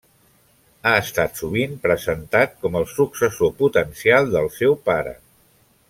Ha estat sovint presentat com el successor potencial del seu pare.